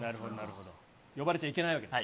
呼ばれちゃいけないわけです